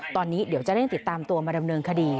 ตอนนี้เดี๋ยวจะเร่งติดตามตัวมาดำเนินคดี